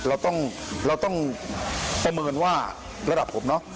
เราต้องประเมินว่าระดับผมนะ